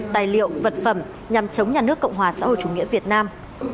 tài liệu vật phẩm nhằm chống nhà nước cộng hòa xã hội chủ nghĩa việt nam